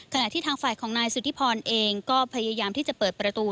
ขณะที่ทางฝ่ายของนายสุธิพรเองก็พยายามที่จะเปิดประตู